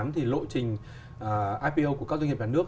thì lộ trình ipo của các doanh nghiệp nhà nước